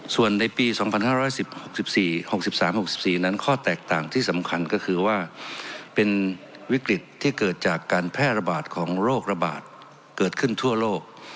ส่วนในปี๒๕๑๖๔๖๓๖๔นั้นข้อแตกต่างที่สำคัญก็คือว่าเป็นวิกฤตที่เกิดจากการแพร่ระบาดของโรคระบาดเกิดขึ้นทั่วโลก